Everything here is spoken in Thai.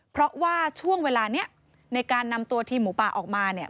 เพราะว่าช่วงเวลานี้ในการนำตัวทีมหมูป่าออกมาเนี่ย